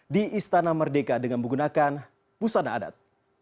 di istana merdeka dengan menggunakan busana adat